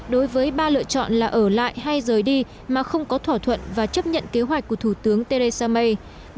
đối với ba lựa chọn là ở lại hay rời đi mà không có thỏa thuận và chấp nhận kế hoạch của thủ tướng theresa may